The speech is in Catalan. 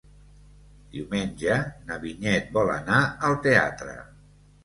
Diumenge na Vinyet vol anar al teatre.